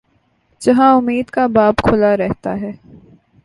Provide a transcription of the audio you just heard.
جہاں امید کا باب کھلا رہتا ہے۔